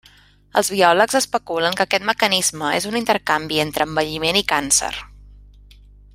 Els biòlegs especulen que aquest mecanisme és un intercanvi entre envelliment i càncer.